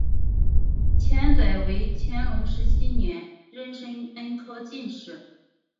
钱载为乾隆十七年壬申恩科进士。